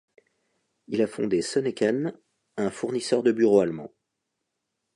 Il a fondé Soennecken, un fournisseur de bureau allemand.